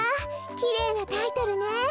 きれいなタイトルね。